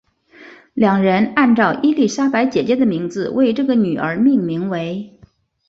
两人按照伊丽莎白姐姐的名字为这个女儿命名为。